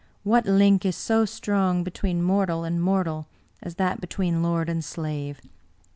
What link is so strong between mortal and mortal as that between lord and slave?